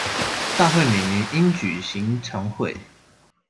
大會每年應舉行常會